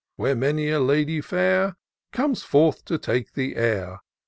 Where many a lady fair. Comes forth to take the air.